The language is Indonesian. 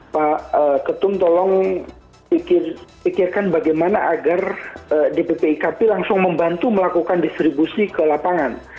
pak ketum tolong pikirkan bagaimana agar dpp ikp langsung membantu melakukan distribusi ke lapangan